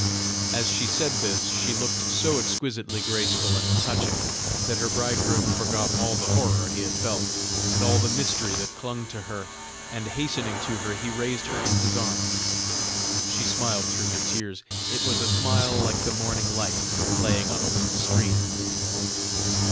As she said this, she looked so exquisitely graceful and touching, that her bridegroom forgot all the horror he had felt, and all the mystery that clung to her, and hastening to her he raised her in his arms. She smiled through her tears; it was a smile like the morning light playing on a little stream.